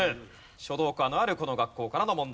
書道科のあるこの学校からの問題。